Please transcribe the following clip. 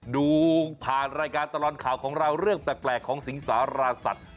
ดูผ่านรายการตลอดข่าวของเราเรื่องแปลกของสิงสารสัตว์